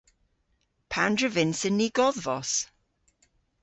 Pandr'a vynsen ni godhvos?